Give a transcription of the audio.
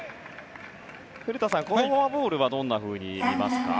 古田さん、このフォアボールはどのように見ますか？